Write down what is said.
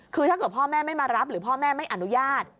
คือถ้าเกิดพ่อแม่ไม่มารับหรือพ่อแม่ไม่อนุญาต